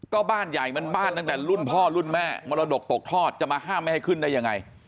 ก็บ้านใหญ่มันบ้านตั้งแต่รุ่นพ่อรุ่นแม่มรดกตกทอดจะมาห้ามไม่ให้ขึ้นได้ยังไง